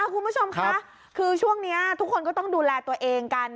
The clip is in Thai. คุณผู้ชมคะคือช่วงนี้ทุกคนก็ต้องดูแลตัวเองกัน